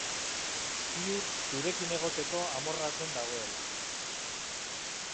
Ziur zurekin egoteko amorratzen dagoela.